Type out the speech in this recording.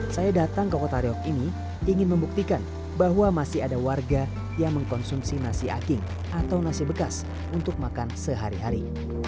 saya datang ke kota riok ini ingin membuktikan bahwa masih ada warga yang mengkonsumsi nasi aking atau nasi bekas untuk makan sehari hari